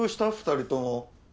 ２人とも。